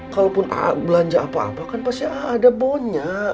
kalaupun belanja apa apa kan pasti ada bonya